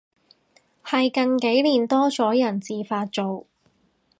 係近幾年多咗人自發做